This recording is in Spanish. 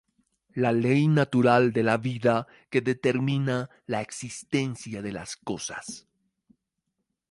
La ley natural de la vida que determina la existencia de las cosas.